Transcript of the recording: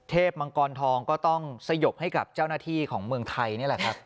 มังกรทองก็ต้องสยบให้กับเจ้าหน้าที่ของเมืองไทยนี่แหละครับ